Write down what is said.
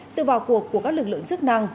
sự vào cuộc của các lực lượng chức năng